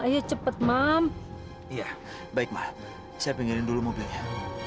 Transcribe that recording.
iya baik ma saya pinggirin dulu mobilnya